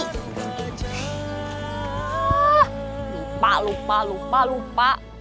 lupa lupa lupa lupa